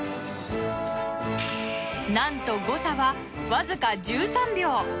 何と誤差は、わずか１３秒。